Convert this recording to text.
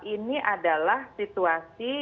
ini adalah situasi